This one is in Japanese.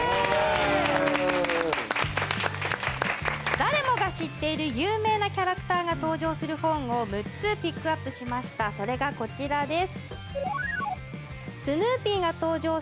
誰もが知っている有名なキャラクターが登場する本を６つピックアップしましたそれがこちらです